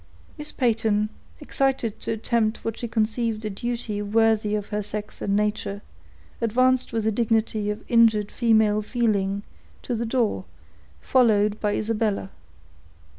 Miss Peyton, excited to attempt what she conceived a duty worthy of her sex and nature, advanced with the dignity of injured female feeling, to the door, followed by Isabella.